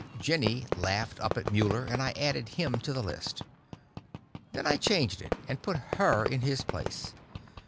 Jenny laughed up at Muller, and I added him to the list. Then I changed it, and put her in his place.